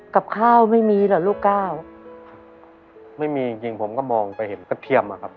กับข้าวไม่มีเหรอลูกก้าวไม่มีจริงจริงผมก็มองไปเห็นกระเทียมอะครับ